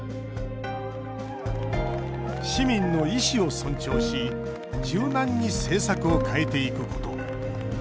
市民の意思を尊重し柔軟に政策を変えていくこと。